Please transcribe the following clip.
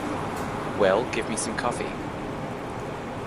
Well, give me some coffee.